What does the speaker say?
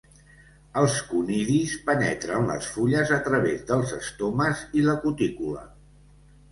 Els conidis penetren les fulles a través dels estomes i la cutícula.